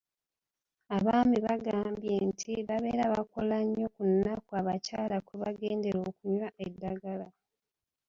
Abaami baagambye nti babeera bakola nnyo ku nnnaku abakyala kwe bagendera okunywa eddagala.